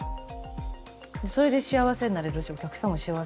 それで幸せになれるしお客さんも幸せになれる。